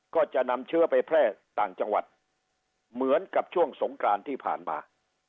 ก็จะนำเชื้อไปแพร่ต่างจังหวัดเหมือนกับช่วงสงกรานที่ผ่านมา